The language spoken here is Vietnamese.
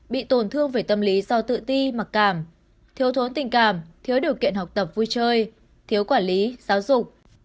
bị tổn thương về tâm lý do tự ti mặc cảm thiếu thốn tình cảm thiếu điều kiện học tập vui chơi thiếu quản lý giáo dục